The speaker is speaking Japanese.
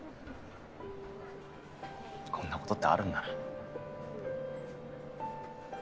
こんなことってあるんだな。